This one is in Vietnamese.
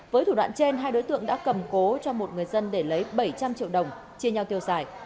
với thủ đoạn trên hai đối tượng đã cầm cố cho một người dân để lấy bảy trăm linh triệu đồng chia nhau tiêu xài